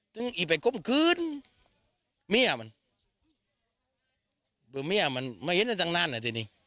ตึงอีไปคุ้มคืนเมียมันเมียมันไม่เห็นตั้งนานนะทีนี้